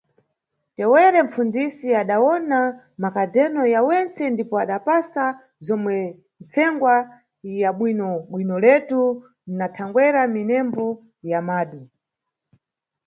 Tewere mpfunzisi adawona makadhereno ya wentse ndipo adapasa nzowu ntsengwa ya bwino-bwinoletu na thangwera minembo ya madu.